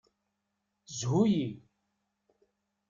Shu-iyi.